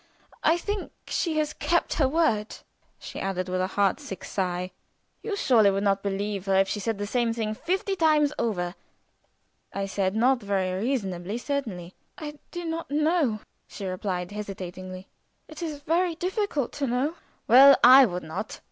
I think she has kept her word," she added, with a heartsick sigh. "You surely would not believe her if she said the same thing fifty times over," said I, not very reasonably, certainly. "I do not know," she replied, hesitatingly. "It is very difficult to know." "Well, I would not.